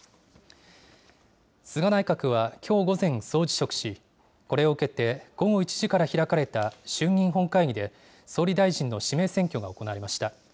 菅内閣はきょう午前、総辞職し、これを受けて、午後１時から開かれた衆議院本会議で、総理大臣の指名選挙が行われました。